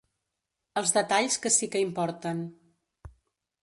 Els detalls que sí que importen.